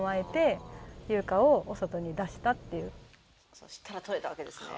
そしたら撮れたわけですね。